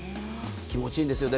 気持ちいいんです。